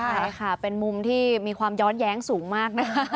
ใช่ค่ะเป็นมุมที่มีความย้อนแย้งสูงมากนะ